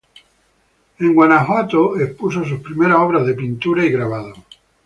En Guanajuato expuso sus primeras obras de pintura y grabado.